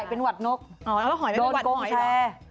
เป็นหวัดนกหอยโดนโกงแชร์